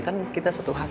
kan kita satu hak